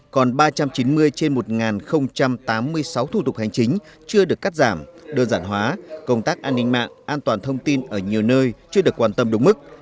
còn ba trăm chín mươi trên một tám mươi sáu thủ tục hành chính chưa được cắt giảm đơn giản hóa công tác an ninh mạng an toàn thông tin ở nhiều nơi chưa được quan tâm đúng mức